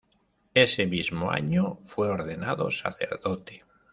Ese mismo año fue ordenado sacerdote.